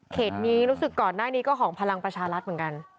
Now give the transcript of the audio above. นี้รู้สึกก่อนหน้านี้ก็ของพลังประชารัฐเหมือนกัน